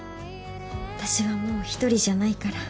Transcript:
あたしはもう一人じゃないから。